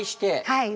はい。